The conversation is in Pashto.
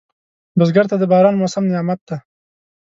بزګر ته د باران موسم نعمت دی